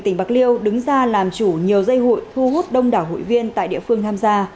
tỉnh bạc liêu đứng ra làm chủ nhiều dây hụi thu hút đông đảo hụi viên tại địa phương tham gia